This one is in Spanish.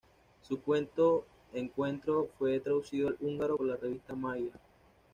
Su cuento "Encuentro" fue traducido al húngaro por la revista Magyar.